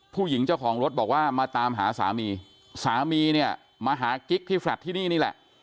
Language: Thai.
ผู้หญิงเจ้าของรถบอกว่ามาตามหาสามีสามีเนี่ยมาหากิ๊กที่แลตที่นี่นี่แหละ